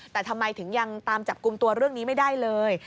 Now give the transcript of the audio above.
แต่ทำไมถึงยังตามจับกลุ่มตัวเรื่องนี้ไม่ได้เลย